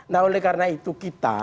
nah oleh karena itu kita